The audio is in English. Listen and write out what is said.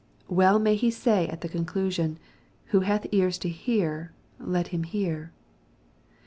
Well may He say at the conclusion, " Who hath ears to hear, let him hear."